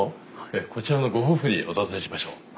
こちらのご夫婦にお尋ねしましょう。